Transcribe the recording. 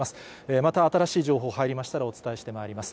また、新しい情報入りましたらお伝えしてまいります。